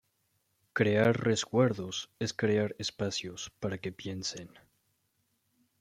Crear resguardos es crear espacios para que piensen.